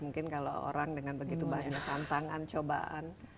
mungkin kalau orang dengan begitu banyak tantangan cobaan